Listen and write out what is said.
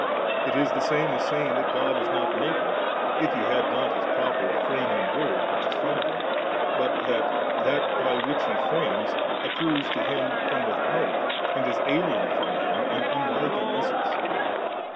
it is the same as saying, that God is not Maker, if He had not His proper Framing Word which is from Him, but that That by which He frames, accrues to Him from without^, and is alien from Him, and unlike in essence.